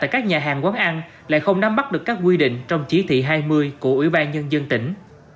các nhà hàng quán ăn lại không nắm bắt được các quy định trong chỉ thị hai mươi của ủy ban nhân dân tỉnh